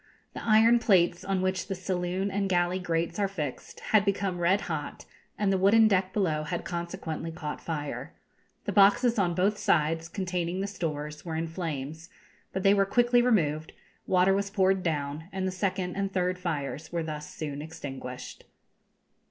The iron plates on which the saloon and galley grates are fixed had become red hot, and the wooden deck below had consequently caught fire. The boxes on both sides, containing the stores, were in flames; but they were quickly removed, water was poured down, and the second and third fires were thus soon extinguished.